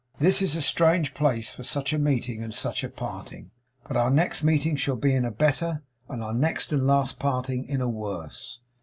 This is a strange place for such a meeting and such a parting; but our next meeting shall be in a better, and our next and last parting in a worse.